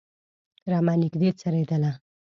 رمه نږدې څرېدله.